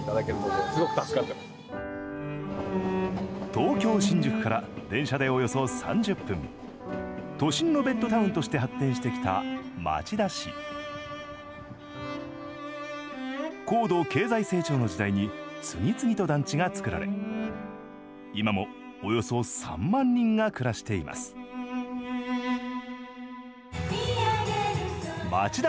東京・新宿から電車でおよそ３０分都心のベッドタウンとして発展してきた町田市高度経済成長の時代に次々と団地が作られ今もおよそ３万人が暮らしていますまちだ